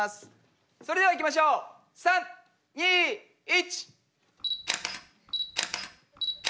それではいきましょう３２１。